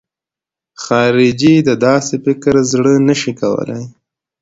خارجي د داسې فکر زړه نه شي کولای.